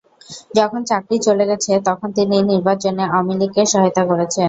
যখন চাকরি চলে গেছে, তখন তিনি নির্বাচনে আওয়ামী লীগকে সহায়তা করেছেন।